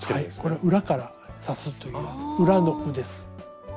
これは裏から刺すという裏の「う」です。